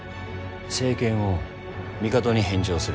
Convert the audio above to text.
政権を帝に返上する。